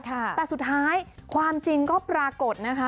แต่สุดท้ายความจริงก็ปรากฏนะคะ